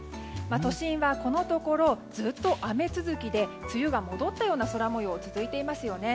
都心はこのところずっと雨続きで梅雨が戻ったような空模様が続いていますよね。